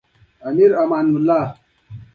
وروسته پاتې والی وروسته پاتې شوه